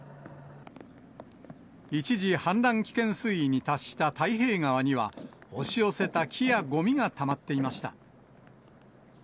一時、氾濫危険水位に達した太平川には、押し寄せた木やごみがたまっていました。